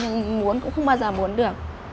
nhưng muốn cũng không bao giờ muốn được